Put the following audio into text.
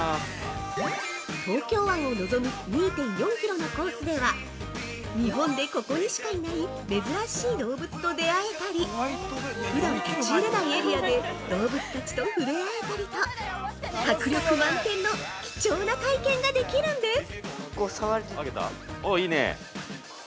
◆東京湾を望む２．４キロのコースでは日本でここにしかいない珍しい動物と出会えたり普段立ち入れないエリアで動物たちと触れ合えたりと迫力満点の貴重な体験ができるんです！